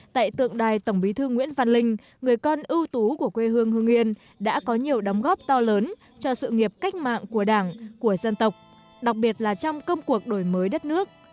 tại tượng đài tổng bí thư nguyễn văn linh người con ưu tú của quê hương hương yên đã có nhiều đóng góp to lớn cho sự nghiệp cách mạng của đảng của dân tộc đặc biệt là trong công cuộc đổi mới đất nước